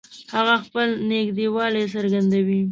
هغه خپل نږدېوالی څرګندوي